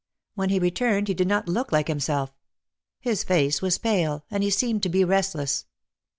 When he returned he did not look like himself. His face was pale and he seemed to be restless.